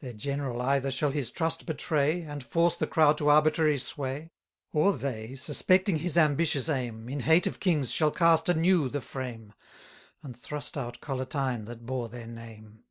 Their general either shall his trust betray, And force the crowd to arbitrary sway; Or they, suspecting his ambitious aim, In hate of kings shall cast anew the frame; And thrust out Collatine that bore their name.